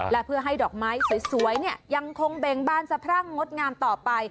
และเพื่อให้ดอกไม้สวยยังคงเบ่งบานสะพรั่งงดงามต่อไป